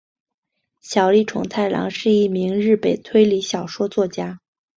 小栗虫太郎是一名日本推理小说作家。